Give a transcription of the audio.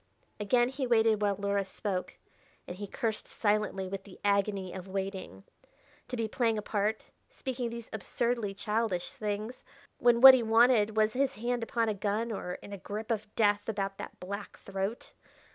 Again he waited while Luhra spoke, and he cursed silently with the agony of waiting. To be playing a part, speaking these absurdly childish things, when what he wanted was his hand upon a gun or in a grip of death about that black throat!